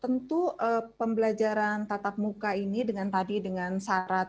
tentu pembelajaran tatap muka ini dengan syarat